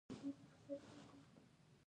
ولایتونه د طبعي سیسټم توازن په پوره ډول ساتي.